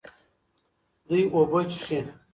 دوی اوبه څښي.